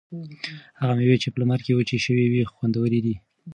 هغه مېوې چې په لمر کې وچې شوي وي خوندورې دي.